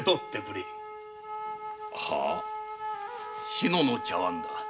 志野の茶碗だ。